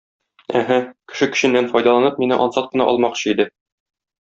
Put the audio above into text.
Әһә, кеше көченнән файдаланып, мине ансат кына алмакчы иде.